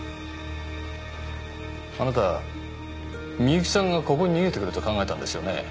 あなた美雪さんがここに逃げてくると考えたんですよね